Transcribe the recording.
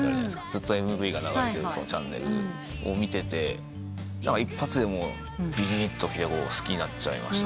ずっとＭＶが流れてるチャンネルを見てて一発でびびびときて好きになっちゃいました。